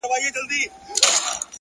پوهه د تیارو افکارو ضد ده؛